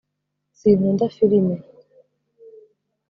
sinkunda firime